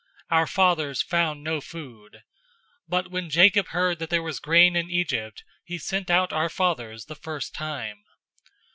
Our fathers found no food. 007:012 But when Jacob heard that there was grain in Egypt, he sent out our fathers the first time.